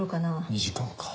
２時間か。